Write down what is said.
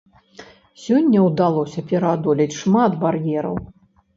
Сёння ўдалося пераадолець шмат бар'ераў.